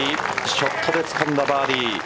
ショットでつかんだバーディー。